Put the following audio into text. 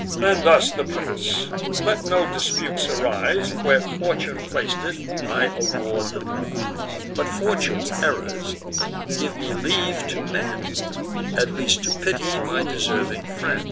Then thus the prince: "Let no disputes arise: Where fortune plac'd it, I award the prize. But fortune's errors give me leave to mend, At least to pity my deserving friend."